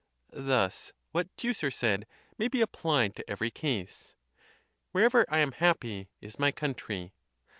Thus what Teucer said may be applied to every case: '* Wherever I am happy is my country."